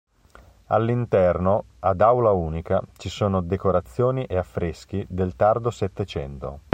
All'interno, ad aula unica, ci sono decorazioni e affreschi del tardo Settecento.